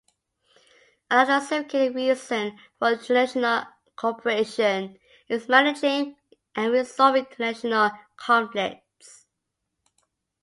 Another significant reason for international cooperation is managing and resolving international conflicts.